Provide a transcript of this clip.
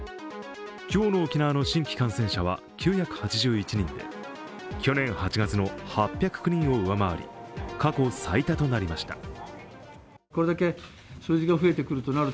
今日の沖縄の新規感染者は９８１人で去年８月の８０９人を上回り、過去最多となりました。